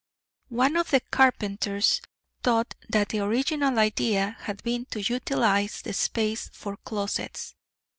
One of the "carpenters" thought that the original idea had been to utilize the space for closets.